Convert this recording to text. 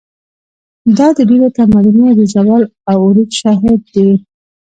دا د ډېرو تمدنونو د زوال او عروج شاهد دی.